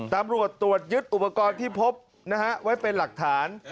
ตำรวจตรวจยึดอุปกรณ์ที่พบนะฮะไว้เป็นหลักฐาน